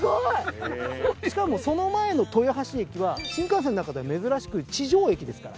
しかもその前の豊橋駅は新幹線の中では珍しく地上駅ですから。